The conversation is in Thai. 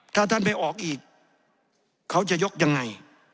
ถ้าท่านไม่ออกอีกเขาจะยกยังไง